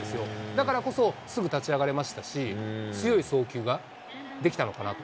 だからこそすぐ立ち上がれましたし、強い送球ができたのかなと。